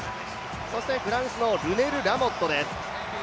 フランスのルネル・ラモットです。